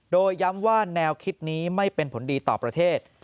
โดยย้ำว่าแนวคิดนี้ไม่เป็นผลดีต่อประเทศ